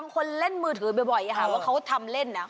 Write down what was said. คนเล่นมือถือบ่อยว่าเขาทำเล่นนะ